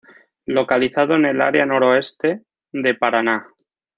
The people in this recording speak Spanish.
Localizado en el área Noroeste de Paraná.